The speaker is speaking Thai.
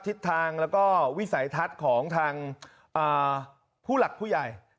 ทิศทางแล้วก็วิสัยทัศน์ของทางผู้หลักผู้ใหญ่